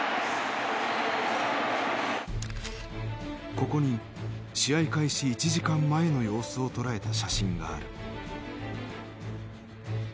ここに試合開始１時間前の様子を捉えた写真がある。